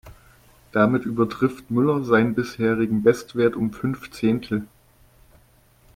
Damit übertrifft Müller seinen bisherigen Bestwert um fünf Zehntel.